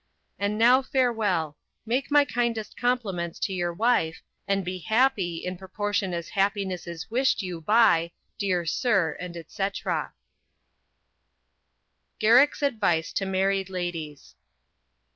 And now farewell; make my kindest compliments to your wife, and be happy in proportion as happiness is wished you by, Dear Sir, &c. GARRICK'S ADVICE TO MARRIED LADIES.